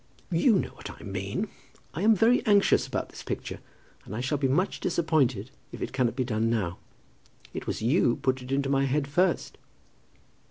"You know what I mean. I am very anxious about this picture, and I shall be much disappointed if it cannot be done now. It was you put it into my head first."